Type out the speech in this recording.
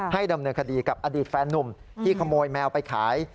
ดำเนินคดีกับอดีตแฟนนุ่มที่ขโมยแมวไปขาย